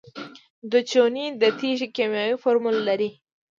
د چونې د تیږې کیمیاوي فورمول لري.